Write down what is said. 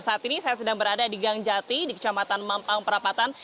saat ini saya sedang berada di gangjati di kecamatan mampang perapatan